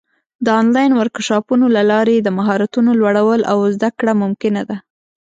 د آنلاین ورکشاپونو له لارې د مهارتونو لوړول او زده کړه ممکنه ده.